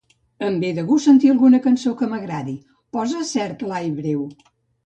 Em ve de gust sentir alguna cançó que m'agradi; posa "Cert clar i breu".